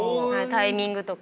タイミングとか。